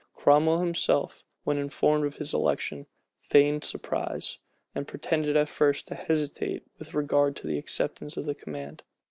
Cromwell himself, when informed of his election, feigned surprise, and pretended at first to hesitate with regard to the acceptance of the command.